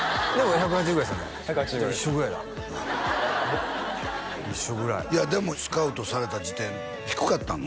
１８０ぐらいじゃあ一緒ぐらいだ一緒ぐらいいやでもスカウトされた時点低かったの？